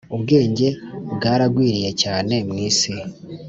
Ubwenge bwaragwiriye cyane mu isi